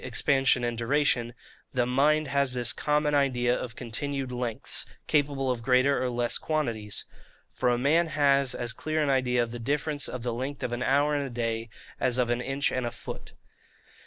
expansion and duration) the mind has this common idea of continued lengths, capable of greater or less quantities. For a man has as clear an idea of the difference of the length of an hour and a day, as of an inch and a foot. 2.